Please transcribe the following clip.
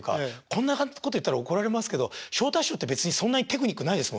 こんなこと言ったら怒られますけど昇太師匠って別にそんなにテクニックないですもんね。